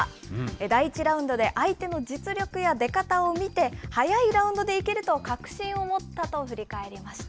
第１ラウンドで相手の実力や出方を見て、早いラウンドでいけると確信を持ったと振り返りました。